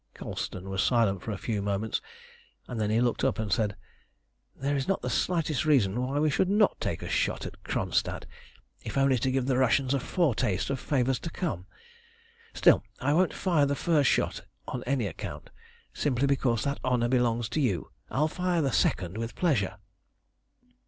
Colston was silent for a few moments, and then he looked up and said "There is not the slightest reason why we should not take a shot at Kronstadt, if only to give the Russians a foretaste of favours to come. Still, I won't fire the first shot on any account, simply because that honour belongs to you. I'll fire the second with pleasure."